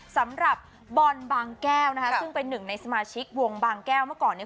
สำหรับบอลบางแก้วนะคะซึ่งเป็นหนึ่งในสมาชิกวงบางแก้วเมื่อก่อนเนี่ย